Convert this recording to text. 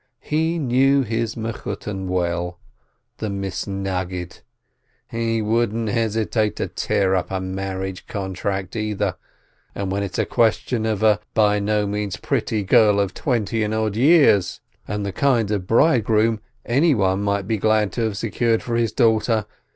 He knew his Mechutton well. The Misnaggid ! He wouldn't hesitate to tear up a marriage contract, either ! And when it's a question of a by no means pretty girl of twenty and odd years! And the kind of bride groom anybody might be glad to have secured for his daughter!